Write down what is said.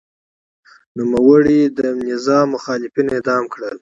نوموړي د نظام مخالفین اعدام کړل.